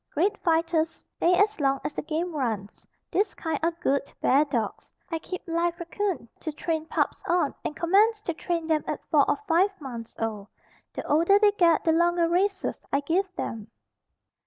Great fighters, stay as long as the game runs. This kind are good bear dogs. I keep live 'coon to train pups on and commence to train them at 4 or 5 months old. The older they get the longer races I give them.